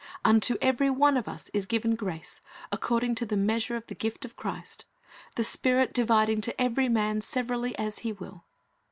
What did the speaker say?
"Unto every one of us is given grace, according to the measure of the gift of Christ," the Spirit "dividing to eveiy m.an severally as He will."